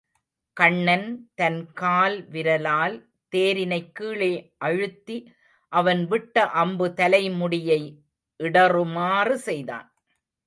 கண்ணன் தன் கால் விரலால் தேரினைக் கீழே அழுத்தி அவன் விட்ட அம்பு தலை முடியை இடறுமாறு செய்தான்.